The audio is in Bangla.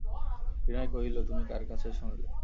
বিনয় কহিল, তুমি কার কাছে শুনলে?